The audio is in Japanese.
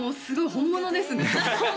本物です